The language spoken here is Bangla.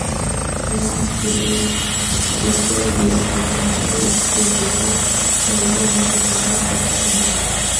ইহা সুবিদিত যে, সন্ন্যাসী স্ত্রী গ্রহণ করিলে হিন্দুসমাজে পতিত হন।